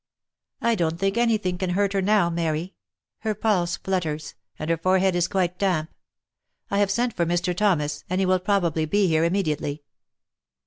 " I don't think any thing can hurt her now, Mary. Her pulse flutters, and her forehead is quite damp. I have sent for Mr. Thomas, and he will probably be here immediately."